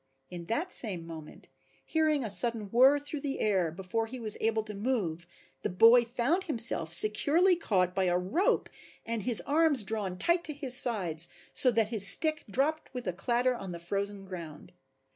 In that same moment, hearing a sudden whirr through the air, before he was able to move the boy found himself securely caught by a rope and his arms drawn tight to his sides so that his stick dropped with a clatter on the frozen ground.